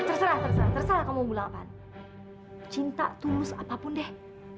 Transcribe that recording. terserah terserah terserah kamu unggul delapan cinta tulus apapun deh